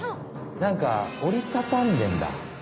なんかおりたたんでんだ。